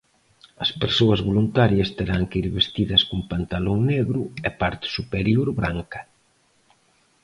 As persoas voluntarias terán que ir vestidas con pantalón negro e parte superior branca.